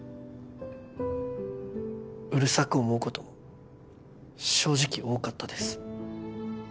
うるさく思うことも正直多かったです